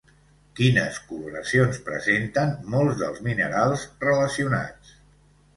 Quines coloracions presenten molts dels minerals relacionats?